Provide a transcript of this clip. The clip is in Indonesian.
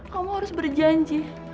kamu harus berjanji